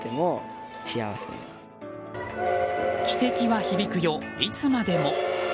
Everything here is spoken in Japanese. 汽笛は響くよ、いつまでも。